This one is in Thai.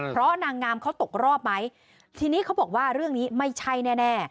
เพราะนางงามเขาตกรอบไหมทีนี้เขาบอกว่าเรื่องนี้ไม่ใช่แน่แน่